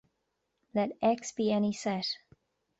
Let "X" be any set.